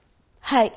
はい。